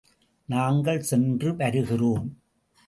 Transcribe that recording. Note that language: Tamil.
நாங்கள் சென்று வருகிறோம்.